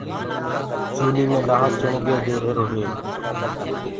چوليٚ مي لآه چِڻگينٚ دي رهيرو هي۔